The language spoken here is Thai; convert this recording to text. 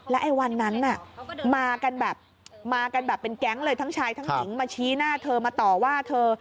แล้วไอ้วันนั้นมากันแบบเป็นแก๊งเลยทั้งชายทั้งหลิงมาชี้หน้าเธอมาต่อว่าเธอ